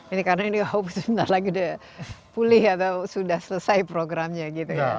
ini karena ini hoax sebentar lagi udah pulih atau sudah selesai programnya gitu